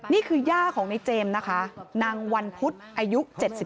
ย่าของในเจมส์นะคะนางวันพุธอายุ๗๒